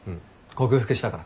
克服したから。